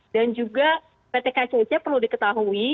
dan juga pt kcic perlu diketahui